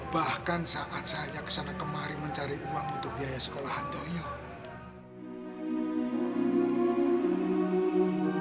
bahkan saat saya kesana kemari mencari uang untuk biaya sekolah handoyo